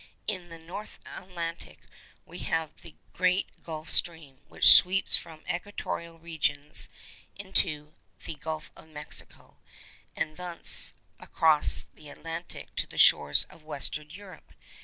In the North Atlantic we have the great Gulf Stream, which sweeps from equatorial regions into the Gulf of Mexico, and thence across the Atlantic to the shores of Western Europe.